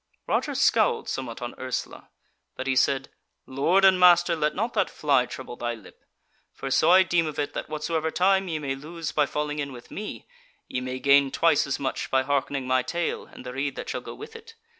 Roger scowled somewhat on Ursula; but he said: "Lord and master, let not that fly trouble thy lip. For so I deem of it, that whatsoever time ye may lose by falling in with me, ye may gain twice as much again by hearkening my tale and the rede that shall go with it.